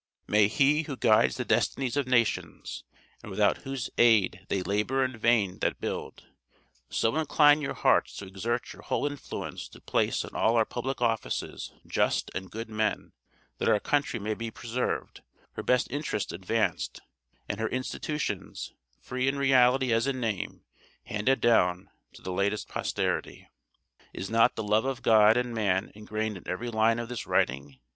"May He who guides the destinies of nations, and without whose aid 'they labor in vain that build,' so incline your hearts to exert your whole influence to place in all our public offices just and good men, that our country may be preserved, her best interests advanced, and her institutions, free in reality as in name, handed down to the latest posterity." Is not the love of God and man ingrained in every line of this writing?